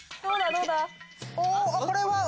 どうだ？